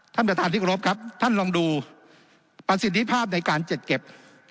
ท่านประธานที่กรบครับท่านลองดูประสิทธิภาพในการจัดเก็บ